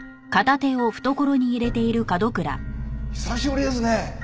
久しぶりですね。